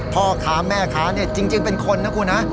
พ่อค้าแม่ค้าจริงเป็นคนนะครับคุณฮะ